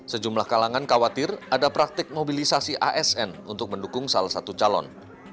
sejumlah kalangan khawatir ada praktik mobilisasi asn untuk mendukung salah satu calon